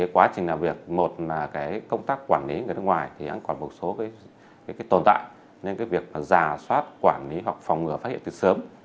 quá trình làm việc một là công tác quản lý người nước ngoài thì vẫn còn một số tồn tại nên việc giả soát quản lý hoặc phòng ngừa phát hiện từ sớm